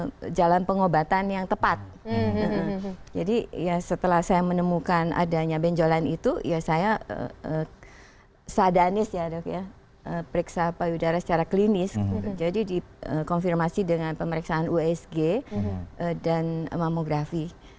nah jalan pengobatan yang tepat jadi ya setelah saya menemukan adanya benjolan itu ya saya sadanis ya dok ya periksa payudara secara klinis jadi dikonfirmasi dengan pemeriksaan usg dan amamografi